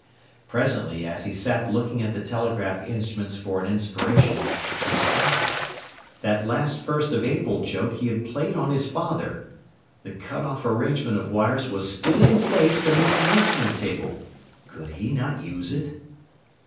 Presently, as he sat looking at the telegraph instruments for an inspiration, he started. That last First of April joke he had played on his father! The cut off arrangement of wires was still in place beneath the instrument table! Could he not use it?